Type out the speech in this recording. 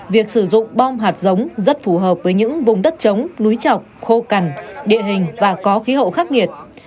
việc sử dụng bom hạt giống rất phù hợp với những vùng đất trống núi chọc khô cằn địa hình và có khí hậu khắc nghiệt